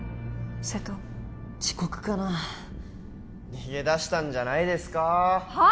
瀬戸遅刻かな逃げ出したんじゃないですかはあ！？